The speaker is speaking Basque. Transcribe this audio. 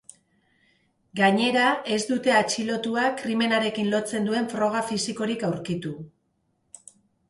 Gainera, ez dute atxilotua krimenarekin lotzen duen froga fisikorik aurkitu.